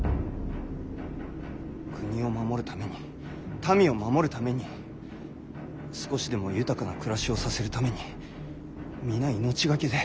国を守るために民を守るために少しでも豊かな暮らしをさせるために皆命懸けで。